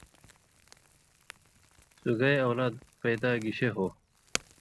سُگائ اولاد پیدا گِشے ہو ؟